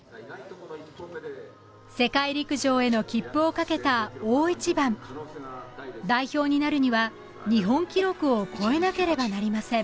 世界陸上への切符をかけた大一番代表になるには日本記録を超えなければなりません